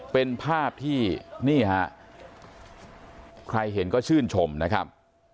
เป็นภาพที่นี่ฮะใครเห็นก็ชื่นชมนะครับ